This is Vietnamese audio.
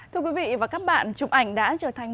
thưa quý vị và các bạn chụp ảnh đã trở thành